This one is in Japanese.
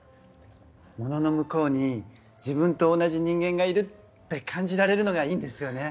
物の向こうに自分と同じ人間がいるって感じられるのがいいんですよね。